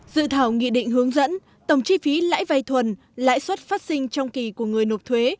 dự thảo nghị định hướng dẫn tổng chi phí lãi vay thuần lãi suất phát sinh trong kỳ của người nộp thuế